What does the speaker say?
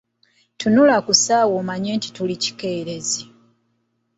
Tunula ku ssaawa omanye nti tuli kikeerezi.